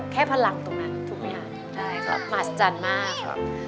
แค่พลังตรงนั้นถูกมั้ยอาจารย์มาก